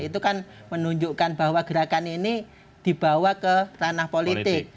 itu kan menunjukkan bahwa gerakan ini dibawa ke ranah politik